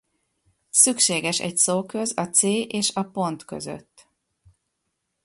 Szükséges egy szóköz a c és a pont között.